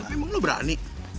eh tapi emang lo berani